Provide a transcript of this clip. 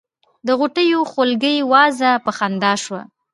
د غوټیو خولګۍ وازه په خندا شوه.